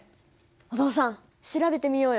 お父さん調べてみようよ！